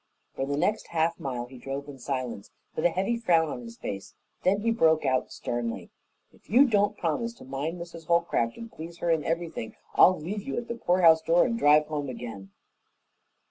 For the next half mile he drove in silence, with a heavy frown on his face; then he broke out sternly, "If you don't promise to mind Mrs. Holcroft and please her in everything, I'll leave you at the poorhouse door and drive home again."